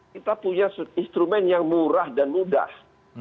kita punya instrumen yang murah dan mudah